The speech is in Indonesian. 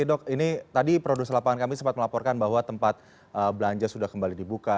dok ini tadi produser lapangan kami sempat melaporkan bahwa tempat belanja sudah kembali dibuka